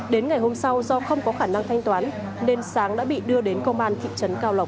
đến ngày hôm sau do không có khả năng thanh toán nên sáng đã bị đưa đến công an thị trấn cao lộc